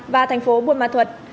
và thành phố buôn ma thuật